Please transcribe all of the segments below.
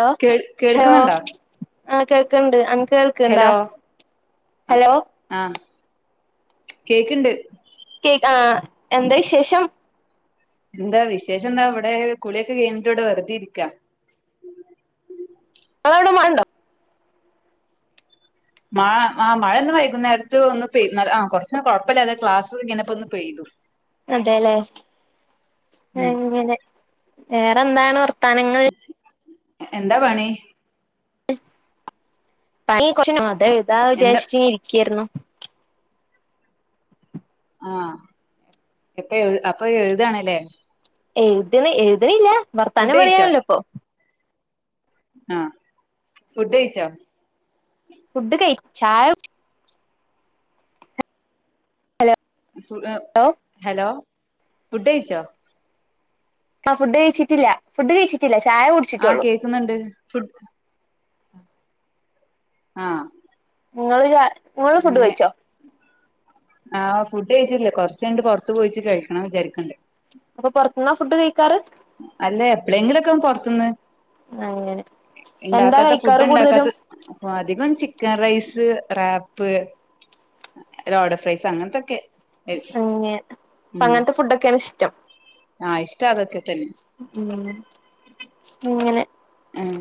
Hello കേൾ hello കേൾക്കുന്നുണ്ടോ ആ കേൾക്കന്നുണ്ട് കേൾക്കണ്ടാ ഹലോ ആ ഹലോ ആ കേക്ക്ണ്ട് കേക്ക് ആഹ് എന്താ വിശേഷം എന്താ വിശേഷം എന്താ അവിടെ കുളിയൊക്കെ കഴഞ്ഞിട്ട് ഇവിടെ വെറുതെ ഇരിക്കാ നിങ്ങളവിടെ മഴണ്ടോ മഴ ആഹ് മഴ ഇന്ന് വൈകുന്നേരത്ത് ഒന്ന് പെയ്ത് ആഹ് കൊറച്ച് കുഴപ്പമില്ലാതെ ക്ലാസ് കഴിഞ്ഞപ്പൊ ഒന്ന് പെയ്തു അതെ ലെ ഉം അങ്ങനെ വേറെന്താണ് വർ ത്താനങ്ങൾ എന്താ പണി പഷ [unintelligible] പ [unintelligible] [unintelligible] [unintelligible] ഇത എഴുതാ എന്താ വിചാഷിച്ച് ങ്ങെ ഇരിക്ക്യേര്ന്നു ആഹ് എത്തഹ് അപ്പഹ് എഴുതാണ്ലെ എഴുത്ണ് എഴുത്ണില്ല ഭർത്താനം പറയാനല്ലോ ഇപ്പം ആഹ് ഫുഡ് കഴിച്ചോ ഫുഡ് കഴി [unintelligible] ചായ കുട് കുടിച്ചോ ഹലോ ഫുഡ്ഡ് കഴിച്ചോ ആഹ് ഫുഡ് കഴിച്ചിട്ടില്ല ഫുഡ് കഴിച്ചിട്ടില്ല ചായ ആ കുടിച്ചിട്ടുള്ളൂ കേൾക്കുന്നുണ്ട് ആ... നിങ്ങൾ നിങ്ങൾ ഫുഡ് കഴിച്ചോ ആഹ് ഫുഡ് കഴിച്ചിട്ടില്ലേ കുറച്ചു കഴിഞ്ഞിട്ട് പുറത്തു പോയിട്ട് കഴിക്കണം വിചാരിക്കണ്ട് അപ്പൊ പുറത്തനിന്നാ ഫുഡ് കഴിക്കാർ അല്ലെ എപ്പോഴെങ്കിലും പുറത്തുന്ന് അങ്ങനെ എന്താ ഇണ്ടാക്കാത്ത ഫുഡ് കഴിക്കാറ് കൂടുതലും ഉണ്ടാക്കാത്ത അപ്പൊ അധികം chicken rice wrap load fries അങ്ങനത്തൊക്കെ അങ്ങെ അപ്പ അങ്ങനത്തെ ഫുഡൊക്കെയാണ് ഇഷ്ടം ആഹ് ഇഷ്ട അതൊക്കെ തന്നെ ഉം അങ്ങനെ ഉം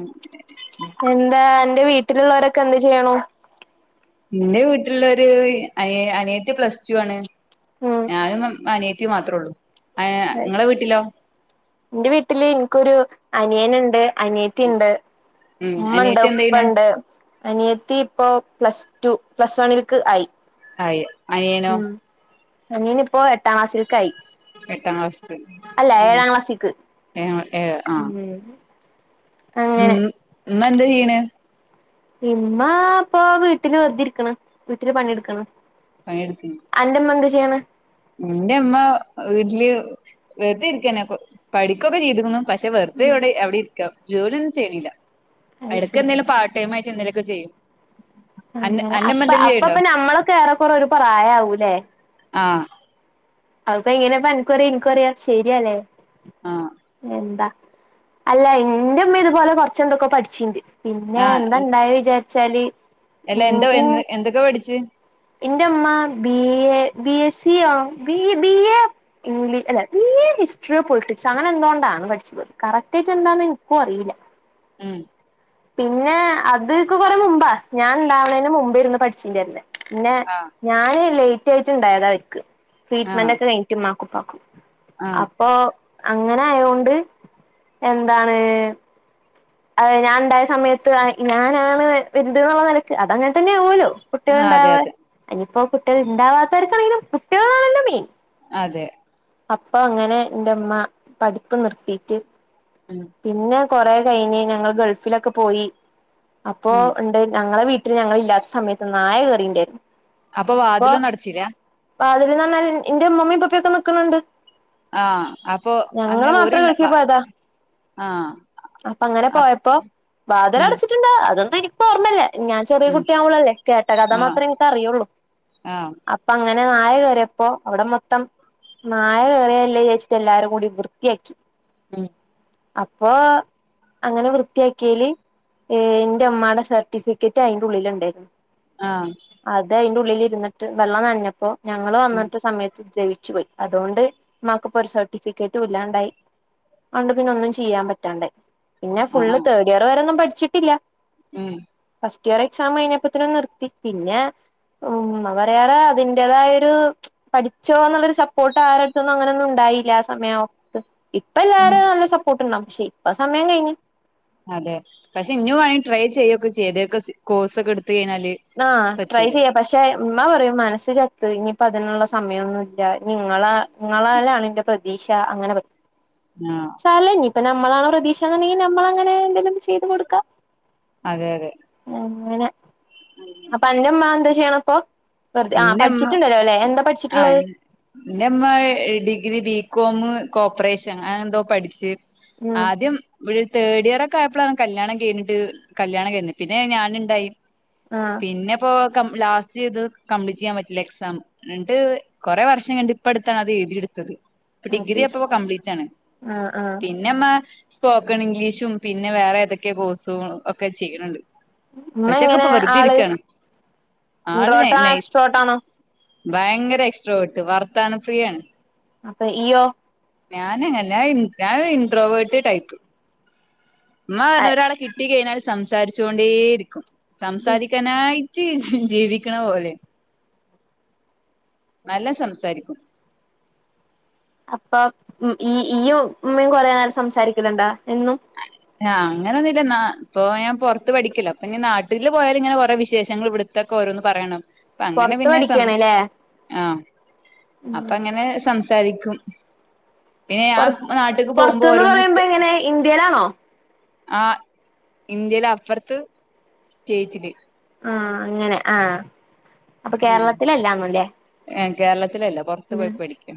എന്താ എന്റെ വീട്ട വീട്ടിലുള്ളവരൊക്കെ എന്തു ചെയ്യുന്നു നിന്റെ വീട്ടുള്ളൊരു അ അനിയത്തി പ്ലസ് ടു ആണ് ഞാനും അനിയത്തി അനിയാത്തി മാത്രേ ഉള്ളൂ ആ നിങ്ങളെ വീട്ടിലോ എന്റെ വീട്ടിൽ എനിക്കൊരു അനിയനുണ്ട് അനിയാത്തിയുണ്ട് ഉം ഉമ്മാണ്ട് അനിയത്തി എന്ത് ചെയ്യണ് ഉപ്പണ്ട് അനിയത്തി ഇപ്പോ പ്ലസ് ടു പ്ലസ് വണ്ണിലേക്ക് ആയി ആ അനിയനോ ഉം അനിയൻ ഇപ്പോ എട്ടാം ക്ലാസൽക്കായി എട്ടാം ക്ലാസ്സ്‌ ക്ലാസ്സിക്ക് ഏ ഏ ആഹ ഉ അങ്ങനെ ഇന്നു എന്താ ചെയ്യണേ പിന്നെ ഇപ്പൊ വീട്ടിൽ വെറുതെ ഇരിക്കാണ് വീട്ടിലെ പണിയെടുക്കണം പണിയെടുക്കുന്ന ചെയാണ് എന്റെ അമ്മ വീട്ടില് വെറുതെ ഇരിക്കാണ് ഇപ്പൊ പഠിക്കൊക്കെ ചെയ്തിരുന്നു പക്ഷെ വെറുതെ ഇവിടെ എവിടെ ഇരിക്കാം ജോലി ഒന്നും ചെയ്യണില്ല അത് ഇടയ്ക്കു ശരി എന്തെങ്കിലും പാർട്ടെമായിട്ട് എന്തേലും ഓക്കെ ചെയ്യും അന്റെ അങ്ങനെ അന്റെമ്മ അപ്പ എന്തേലും അപ്പപ്പ ചെയ്യണ്ടോ നമ്മളൊക്കെ ഏറെക്കറ ഒരു പ്രായ ആകൂല്ലേ ആം അപ്പോ എങ്ങനെ അനക്കും ഇനാകും അറിയാ ശരിയല്ലേ ആഹ് എന്താ അല്ല എന്റെ ഉമ്മ ഇതുപോലെ കുറച്ച് എന്തൊക്കെ പഠിച്ചിണ്ട് പിന്നെ എന്തണ്ടായ വിചാരിച്ച ചലി അല്ലാ എന്താ എ എന്തൊക്കാ പഠിച്ചു എന്റെ ഉമ്മ B A B S C ആ ബ ബി എ ഇംഗ്ലീഷ് അല്ലെ ബി എ ഹിസ്റ്റ്രിയോ പൊളിറ്റിക്സ് അങ്ങനെ എന്തുകൊണ്ടാണ് പഠിച്ചത് കറക്റ്റ് ആയിട്ട് എന്താന്ന് എനിക്കും അറിയില്ല ഉം പിന്നെ അത് ഒക്കെ കൊറ മുമ്പാ ഞാൻ ഇണ്ടാവണേന് മുമ്പേ ഇരുന്ന് പഠിച്ചിണ്ടായിരുന്നേ പിന്നെ ആഹ് ഞാനല്ലേ ക്യത്യായിട്ടുണ്ടായതാ അവർക്ക് ട്രീറ്റ്മെന്റ് ആഹ് ഒക്കെ കഴിഞ്ഞുട്ട് ഇമ്മാക്ക് ഉപ്പാക്കും ആഹ് അപ്പൊ അങ്ങനെ ആയൊണ്ട് എന്താണ് അത ഞാൻ ഉണ്ടായ സമയത്ത് ഞാനാണ് വൽത് എന്നുള്ള നിലക്ക് അതങ്ങനെ തന്നെ ആലോ കുട്ടികള ആഹ് അതെ ഉണ്ടാവനി അതെ ഇപ്പൊ കുട്ടികൾ ഉണ്ടാവാത്തവർക്കാണെങ്കിലും കുട്ടികളാണല്ലോ മെയിൻ അതെ അപ്പൊ അങ്ങനെ എന്റെമ്മ പഠിപ്പ് നിർത്തിട്ട് ഉം പിന്നെ കൊറെ കഴിഞ്ഞ് ഞങ്ങൾ ഗൾഫിലൊക്കെ പോയി അപ്പോ ഉം ഉണ്ട് ഞങ്ങളെ വീട്ടിൽ ഇ ഞങ്ങൾ ഇല്ലാത്ത സമയത്ത് ന്നായ കേയറിണ്ടായിരുന്നു അപ്പൊ വാതിലോ നടച്ചിരാ വാതിലിന് പറഞ്ഞാൽ എന്റെ മമ്മി പപ്പിയൊക്കെ നിക്കുന്നുണ്ട് ആ അപ്പൊ അങ്ങെ ഒരു മാത്രം വ ഗൾഫിൽ പോയതാ അപ്പൊ അങ്ങനെ പോയപ്പോ വാതലിൽ ഉം അടച്ചിട്ടുണ്ടാ അതൊന്നും എനിക്ക് ഓർമ്മല്ലേ ഞാൻ ചെറിയ ഉം കുട്ടിയ ആവുള്ളൂല്ലേ കേട്ട കഥ ആഹ് മാത്രേ എനിക്ക് അറിയുള്ളൂ ആഹ് അപ്പൊ അങ്ങനെ അങ്ങനെ നായകയറിയപ്പോ അവിടെ മൊത്തം നായകയറിയ എല്ല വിചാരിച്ചിട്ട് എല്ലാരും കൂടി വൃത്തിയാക്കി ഉം അപ്പോ അങ്ങനെ വൃത്തിയാക്കിൽ എന്റെ ഉമ്മാടെ സർട്ടിഫിക്കറ്റ് അയിന്റെ ഉള്ളിൽ ഉണ്ടായിരുന്നു ആഹ് അതെ അതിന്റെ ഉള്ളിൽ ഇരുന്നിട്ട് വെള്ളം നന്നഞ്ഞപ്പോ ഞങ്ങള് ഉം വന്നിട്ട് സമയത്ത് ജ അടിച്ചു പോയി അതുകൊണ്ട് മ്മാക്കിപ്പോ ഒരു സർട്ടിഫിക്കറ്റും ഇല്ലാണ്ടായി അതുകൊണ്ടു പിന്നെ ഒന്നും ചെയ്യാൻ പറ്റാണ്ടായി പിന്നെ ഫുള്ള് ആഹ് തേഡ് ഇയർ വരെ ഒന്നും പഠിച്ചി പച്ചിട്ടില്ല ഉം ഫസ്റ്റിയർ എക്സാംകഴിഞ്ഞപ്പോ തന്നെ നിർത്തി പിന്നെ ഉം പറയാറ അതിന്റെ തായരു പഠിച്ചോന്നുള്ളരു സപ്പോർട്ട് ആരടുത്തൊന്നും അങ്ങനൊന്നും ഉണ്ടായില്ല ആ സമയാവുമ്പോ ഇപ്പോ ഉം നല്ല സപ്പോർട്ടുണ്ടമ്മച്ചി ഇപ്പൊ സമയം കഴിഞ്ഞു അതെ പക്ഷെ ഇന വേണെങ്കിൽ ട്രൈ ചെയ്യുകൊക്ക ചെയ്തക്കെ കോഴസ് ഒക്കെ എടു ആ ട്രൈ ചെയ്യ പക്ഷെ ഉമ്മ പറയും മനസ്സ് ചത്തു ഇനിയിപ്പോ അതിനുള്ള സമയമൊന്നുമല്ല നിങ്ങളാ നിങ്ങളാലാണ് എന്റെ ന്റെ പ്രതീക്ഷ അങ്ങനെ പറ്റ ആഹ് ചല നി ഇപ്പ നമ്മളാണ് പ്രതീക്ഷുണ്ടെങ്കിൽ നമ്മൾ അങ്ങനെ എന്തെങ്കിലും ചെയ്ത് കൊടുക്കാം അതെ അതെ അങ്ങനെ അപ്പൊ അന്റെമ്മ എന്ത ചെയ്യണപ്പൊ എന്റെമ്മ ആ പഠിച്ചിട്ടുള്ളത് എന്റെമ്മ ഡിഗ്രി ബി- കോമ കോപ്പറേഷൻ അ ങ്ങനെ ന്തോ പഠിച്ച് ഉം ആദ്യം വി- തേർഡ് ഇയറോക്കെ ആയപ്പോഴാണ് കല്യാണം കഴഞ്ഞിട്ട് കല്യാണം കഴുന്നത് പിന്നെ ഞാാനുണ്ടായി ആ പിന്നെപ്പോ ലാസ്റ്റ് ചെയ്ത് കംപ്ലീറ്റ് ചെയ്യാൻ പറ്റില്ല എക്സാം ണ്ട് കൊറെേ വർഷം കഴിഞ്ഞിട്ട് ഇപ്പടുത്താണ് അത് എഴുതിയെടുത്തത് ഡിഗ്രി അത് ശ അപ്പ കംപ്ലീറ്റ് ആണ് ആഹ് ആഹ് പിന്നെമ്മ സ്പോക്കൺ ഇംഗ്ലീഷും പിന്നെ വേറെ ഏതൊക്കെ കോഴ്സും ഒക്കെ ചെയ്യണണ്ട് ഉമ്മ പക്ഷെക്കെ ഇങ്ങനെ ഇപ്പൊ വെറുതെ ഇരിക്കാണ് ആള് ആള്റോട്ട നൈസ് ചോട്ടണോ ഭയങ്കര എക്സ്ട്രാവേർട്ട് വർത്താനപ്രിയേണ് അപ്പഇയ്യോ ഞാന്അങ്ങനെല്ല ഞന്ഇ ഞാനൊര്ഇൻട്രോവേർട്ട് ടയ്പ ഇമ്മപറഞ്ഞ് ഒരാളകിട്ടി കിട്ടികഴിഞ്ഞാൽ സംസാരിച്ചുകൊണ്ടേ ഇരിക്കും സംസാരിക്കാനായി ജ് ഹ് ജീവിക്കണ പോലെ നല്ലോം സംസാരിക്കും അപ്പം മ് ഈ ഈയ്യും ഇമ്മിം കൊറേനേരം സംസാരിക്കല്ണ്ടോ എന്നും ആഹ് അങ്ങനൊന്നുല്ല ഇന്നാ പോയാ പൊറ്ത്ത്പഠിക്കല്ലോ പിന്നെനാട്ടില് പോയാല് ഇങ്ങനെ കൊറെ വിശേഷങ്ങൾ ഇവിടുത്തക്കെ ഓരോന്ന് പറയണം അപ്പൊ അങ്ങനെ പുൊറത്ത്പഠിക്കാണ്ല്ലേ അപ്പെങ്ങനെ സംസ സാരിക്കും പൊറ് പൊറ്ത്ത്ന്ന് പറയ്മ്പോ സ്പെ എങ്ങനെ ഇന്ത്യയിലാണോ ആ ഇന്ത്യയിലെ അപ്പറ്ത്ത് സ്റ്റേറ്റില് ആ അങ്ങനെ ആ അപ്പകേരളത്തിലല്ലാന്നുല്ലേ കേരള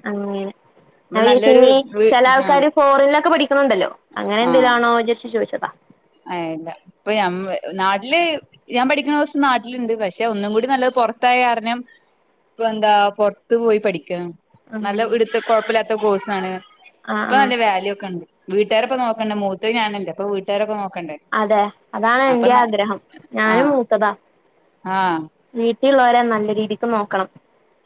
അങ്ങനെ അപ്പൊ നല്ലൊരു ഞാൻവിജാര്ച്ചിനി വീ ആഹ് ചെലാൾക്കാര് ഫോറിനിലൊക്കെ പഠിക്ക്ന്നുണ്ടല്ലോ അങ്ങനെ ന്തേലാണോ ജസ്റ്റ്‌ ചോദിച്ചതാ ഏഹ് അല്ല പ്പം നമ് നാട്ടില് ഞാൻ പഠിക്ക്ണോസം നാട്ടില്ണ്ട് പക്ഷെ ഒന്നുംകൂടിനല്ലത് പൊറ്ത്തായ കാരണം എന്താ പൊറ്ത്ത് പോയി പഠിക്കാണ് നല്ല അങ്ങനെ ഇടുത്ത് കൊഴപ്പില്ലാത്തകോഴ്സാണ് ആഹ് ഇപ്പൊ ആഹ് നല്ല വാല്യൂ ഒക്കെണ്ട് വീട്ടാരെപ്പനോക്കെണ്ട മൂത്തെ ഞാനല്ലെ ഇപ്പ വീട്ടാരെക്കെ നോക്ക് അതെ അതാണെന്റെയും ആഗ്രഹം ഞാനും ആഹ് മൂത്തതാ ആഹ് വീട്ടി ട്ടിളോരെ നല്ലരീതിക്ക് നോക്കണം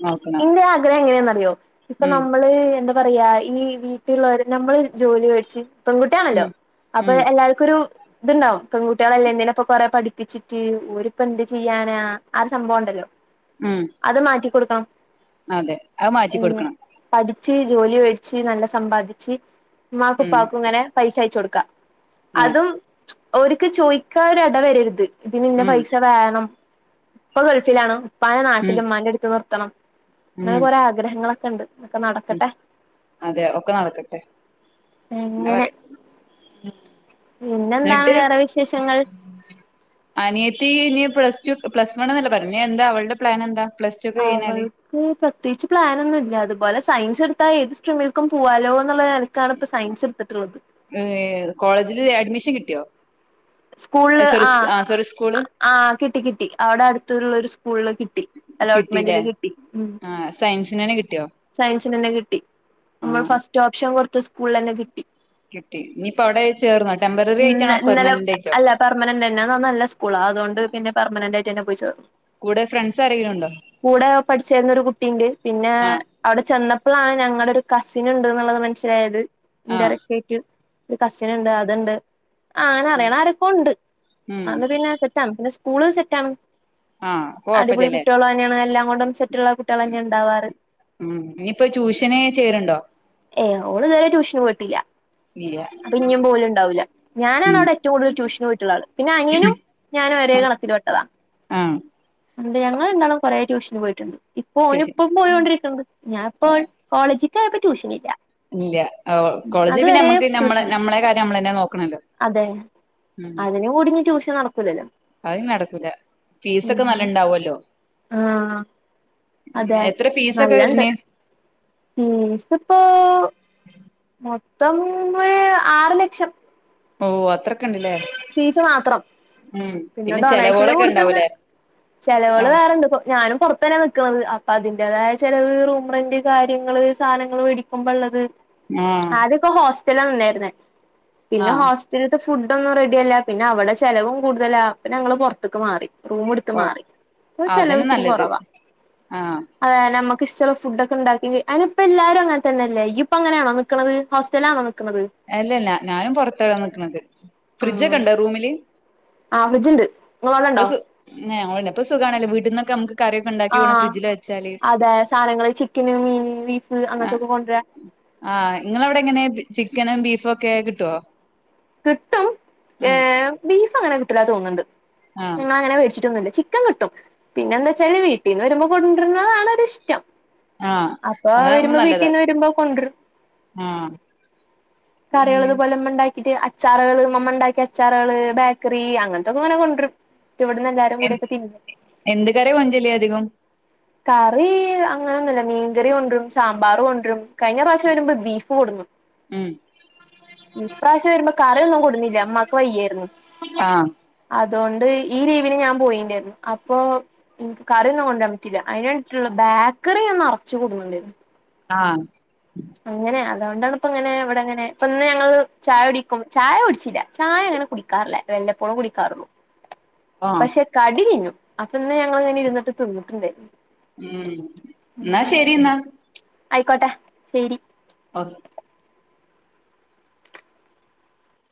നോക്കണം ഇന്റെആഗ്രഹം എങ്ങനെന്നറിയോ ഇപ്പൊ ഉം നമ്മള് എന്താ പറയാ ഈ വീട്ടില്ള്ളോര് നമ്മള് ജോലി മേടിച്ച് പെൺകുട്ട്യാണല്ലോ ഉം അപ്പൊ ഉം എല്ലാര്കൊര് ഇത്ണ്ടാവും പെങ്കുട്യാളെല്ലെ എന്തിനാ ഇപ്പോ കൊറെ പഠിപ്പിച്ചിട്ട് ഓരിപ്പെന്ത് ചെയ്യാനാ ആ ഒരു സംബോണ്ടല്ലോ ഉം അത് മാറ്റിക്കൊടുക്കണം അതെ അത് മാറ്റി ഏ കൊടുക്കണം പഠി ച്ച് ജോലിവേട്ച്ച് നല്ല സമ്പാദിച്ച് ഉം ഇമ്മാക്കുപ്പാക്കും ങ്ങനെ പൈസയച്ചൊട് കാ അതെ അതും ഒര്ക്ക്ചോയിക്കാനൊരെടവരര്ത് ഇതിന് ഇന്ന ഉം പൈസ വേണം ഇപ്പൊ ഗൾഫിലാണോ പല ഉം നാട്ടിലും മണിയെടുക്കുന്നോർ ത്തണം അങ്ങനെ ഉം ഒരാഗ്രഹങ്ങള് ക്ക്ണ്ട് ഉം അതെ ഒക്കെ നടക്കട്ടെ എന്ന അങ്ങനെ പറയ് ഉം പിന്നെന്താണ് വേറെ വിശേഷങ്ങൾ അനിയത്തി ഇനി പ്ലസ് ടു പ്ലസ് വൺന്നല്ലെ പറഞ്ഞ ഇനി എന്താ അവളുടെ പ്ലാൻ എന്താ പ്ലസ് ടു ഒക്കെ കഴിഞ്ഞാല് അവൾക്ക് പ്ലസ്‌ ത്തേയ്ച്ച് പ്ലാനൊന്നുവല്ല അതുപോലെ സയൻസ് എടുത്താ ഏത് സ്ട്രീമിൽക്കും പോവാ വാവന്നുള്ള [unintelligible] ഒരൽക്കാണ് ഇപ്പം സയൻസ് ഇട്ത്തിട്ട്ള്ളത് ഏഹ് കോളേജില് അഡ്മിഷൻ കിട്ടിയോ സ്കൂളില് സോറി ആഹ് ആ സോറി സ്കൂള് ആഹ് കിട്ടി കിട്ടി അവിടെ അടുത്തുള്ള ഒരു സ്കൂളില് കിട്ടി അലോട്ട്മെന്റില് കിട്ടി ഉം എങ്ങനെ കി ട്ടിയോ ന്‌ നന്നെ കിട്ടി നമ്മൾ ഫസ്റ്റ് ഓപ്ഷൻ കൊട് ത്ത സ്കൂൾ ള്ളന്നെ കിട്ടി കിട്ടി ഇനിയിപ്പോ അവിടെ ചേർന്നോ ടെമ്പററി ഇന്നെ ആയിട്ടാണോ ഇന്നലെ പെർമനന്റ് ആയിട്ടോ അല്ല പെർമനന്റെന്നെ ആ ന്ന നല്ല സ്കൂളാ അതുകൊണ്ട് പിന്നെ പെർമനന്റായിട്ടന്നെ പോയി ചേർ കൂടെ ഫ്രണ്ട്സ് ആരെങ്കിലും ഉണ്ടോ കൂടെ പഠിച്ചിരുന്നൊരു കുട്ടിണ്ട് പിന്നെ ആ അവടെ ചെന്നപ്പളാണ് ഞങ്ങള്ടൊരു കസിനുണ്ട് ന്ന്ള്ളത് മന്സ്സിലായത് ഇൻ ആ ഡയറക്റ്റായിട്ട് ഒര് കസിനുണ്ട് അത്ണ്ട് ആ ഞാനറിയ്ണ ആരൊക്കോണ്ട് ഉം ആന്ന് പിന്നെ സെറ്റാണ് പിന്നെ സ്‌ സ്കൂള് സെറ്റാണ് ആ അടിപൊളി കൊഴപ്പില്ലല്ലേ കുട്ട്യാളന്നേണ് എല്ലാം കൊണ്ടും റ്റുള്ള കുട്ട്യാളന്നെ ഇണ്ടാവാറ് ഇഞ്ഞ്പ്പോ ട്യൂഷന് ചേര്ണ്ടോ ഏ‌ ഓള് ഇത് വരെ ട്യൂഷന് പോയിട്ടില്ല ഇല്ല അപ്പൊ ഇനിയും പോവല് ഉണ്ടാവില്ല ഞാനാണ് ഇവിടെ ഉം ഏറ്റവും കൂടുതൽ ട്യൂഷന് പോയിട്ടുള്ള ആള് പിന്നെ അനിയനും ഞാനും ഒരേ കണത്തിൽ പെട്ടതാ ആഹ് അണ്ട് ഞങ്ങൾ രണ്ടാളും കൊറെ ട്യൂഷൻ പോയിട്ടുണ്ട് ഇപ്പോ ട്യൂഷൻ ഓനിപ്പോ പോയോണ്ടിരിക്കണ്ട് ഞാനിപ്പോ കോളേജിൽ [unintelligible] ട്യൂഷൻ ഇല്ല ഇല്ല കോളേജിൽ പിന്നെ അതുവരെ നമ്മുക്ക് നമ്മള ട്യൂഷൻ നമ്മളെ കാര്യം നമ്മൾെന്നെ നോക്കണല്ലോ അതെ അതിനും കൂടിഞ്ഞ് ട്യൂഷൻ നടക്കൂലല്ലോ അയ് നടക്കൂല ഫീസ് ഒക്കെ ഉം നല്ല ഇണ്ടാവല്ലോ ആഹ് അതെ എത്ര ഫീസൊക്കെ നല്ലണ്ട് വരണ് ഫീസിപ്പോ ത്തം ഒരു ആറ് ലക്ഷം ഓ അത്രക് ഫീസ് മാത്രം ഉം പിന്നെ ഡൊണേഷനും ചെലവുകളൊക്കെ കൊടുത്തിണ്ട് ഇണ്ടാവൂലേ ചെലവൾ ആഹ് വേറെണ്ട് ഞാനും പുറത്ത തന്നെയ നിക്കണത് അപ്പൊ അതിന്റേതായ ചിലവ് റൂംറന്റ് കാര്യങ്ങള് സാനങ്ങൾ മേടിക്കുമ്പോ ഉള്ളത് ആഹ് ആദ്യാക്കെ ഹോ [unintelligible] പിന്നെ ആഹ് ഹോസ്റ്റല് ഫുഡ് ഒന്നും റഡി സില്ല പിന്നെ അവിടെ ചെലവും കൂടുതല അപ്പ ഞങ്ങള് പൊറത്ത്ക്ക് മാറി റൂമ് എടുത്ത് ഓ മാറി ചെലവ് അതന്നെ ഇത്തിരി നല്ലത് കുറവാ ആഹ് അതാന ഇഷ്ടുള്ള ഫുഡ് ഒക്കെ ഉണ്ടാക്കി അയിനിപ്പല്ലാരും അങ്ങനെ തന്നെയല്ലേ ഇയ്യ് പ്പ അങ്ങനാണോ നിക്കണത് ഹോസ്റ്റലാണോ നിക്കണത് അല്ലല്ല ഞാനും പൊറത്ത നിക്കണത് ഫ്രിഡ്ജൊക്കെ ണ്ടോ റൂമില് ആ ഫ്രിഡ്ജ് ണ്ട് [unintelligible] ഇണ്ടോ പിന്നെ ഇപ്പോ സുഖാണല്ലോ വീട്ടിന്നൊക്കെ നമക്ക് ആഹ് അതെ സാധങ്ങള് ചിക്കന് മീന് ബീഫ് ആ അങ്ങനത്തൊക്കെ കൊണ്ട് രാം ആഹ് ഇങ്ങളവിടെ എങ്ങനെ ചിക്കനും ബീഫും ഒക്കെ കിട്ടുവോ കിട്ടും ഏ ഉം ബീഫ് അങ്ങനെ ഇല്ലാ തോന്നുന്നുണ്ട് ആഹ് ങ്ങളങ്ങനെ വേടിച്ചിട്ടൊന്നുല്ല. ചിക്കൻ കിട്ടും പിന്നെ എന്താ വെച്ചാല് വീട്ടീന്ന് വരുമ്പോ കൊണ്ടിരുന്നതാണ് ഒരുരിഷ്ടം ആഹ് അപ്പൊ അതാകുമ്പോ വരുമ്പോ നല്ലതാ വീട്ടിന്ന് വരുമ്പോ കൊണ്ടരും ആഹ് ഉം കറികള്ളത് പോലൊക്കെ അച്ചാുകള് മമ്മ ഉണ്ടാക്കിയ അച്ചാറുകള് ബേക്കറി അങ്ങനത്തൊക്കെ ഇങ്ങനെ കൊണ്ടുവരും ഇവിടുന്ന് എല്ലാരും എ കൂടിയൊക്കെ തിന്നും എന്ത് കറി കൊഞ്ചല് അധികം കറി അങ്ങനെന്നുല്ല മീൻകറി കൊണ്ടരും സാമ്പാറ് കൊണ്ടരും കഴിഞ്ഞ പ്രാവശ്യം വരുമ്പോ ബീഫ് കൊടുന്നു ഉം ഇപ്രാവശ്യം വരുമ്പോ കറ്യൊന്നും കൊടുന്നില്ല വയ്യായിരുന്നു ആഹ് അതുകൊണ്ട് ഈ ലീവിന് ഞാൻ പോയിണ്ടായിരുന്നു അപ്പൊ എനിക്ക് കറിയൊന്നും കൊണ്ടുരാൻ പറ്റില്ല അതിന വേണ്ടി ബേക്കറി ഞാൻ നറച്ചു കൊടുുന്നുണ്ടായിരുന്നു ആഹ് അങ്ങനെ അതുകൊണ്ടാണ് ഇപ്പ ങ്ങനെ ഇവിടെ ങ്ങനെ ഇപ്പ ഇ ഞങ്ങള് ചായ കുടിക്കും ചായ കുടിച്ചില്ല ചായ അങ്ങനെ കുടിക്കാറില്ല വല്ലപ്പോഴും കുടിക്കാറുള്ളൂ ആഹ് പക്ഷെ കടി തിന്നും അപ്പന്ന് ഞങ്ങളിങ്ങന ഇരുന്നി്ീന്നട്ടുണ്ടായി ഉം എന്നാ ശരി ന്നാ ആയിക്കോട്ടെ ശരി ഓ